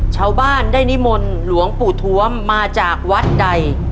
ชาวบ้านได้นิมนต์หลวงปู่ทวมมาจากวัดใด